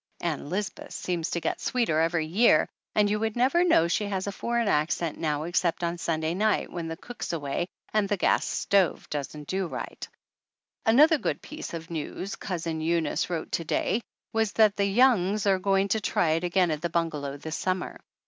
Ann Lisbeth seems to get sweeter every year and you would never know she has a foreign accent now except on Sunday night when the cook's away and the gas stove doesn't do right. 273 THE ANNALS OF ANN Another good piece of news Cousin Eunice wrote to day was that the Youngs are going to try it again at the bungalow this summer.